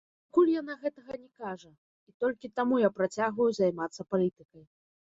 Але пакуль яна гэтага не кажа, і толькі таму я працягваю займацца палітыкай.